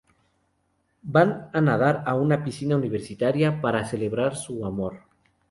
Van nadar en una piscina universitaria para celebrar su amor.